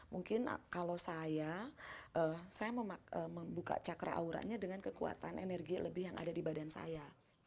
mungkin kalau saya saya membuka cakra auranya dengan kekuatan energi lebih yang ada di badan saya